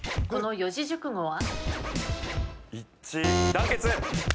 この四字熟語は？